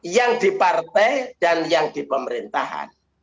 yang di partai dan yang di pemerintahan